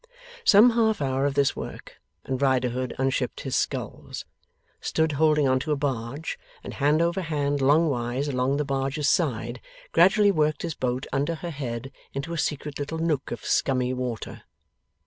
Some half hour of this work, and Riderhood unshipped his sculls, stood holding on to a barge, and hand over hand long wise along the barge's side gradually worked his boat under her head into a secret little nook of scummy water.